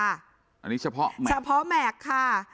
อันนี้เฉพาะแม็กเฉพาะแม็กซ์ค่ะ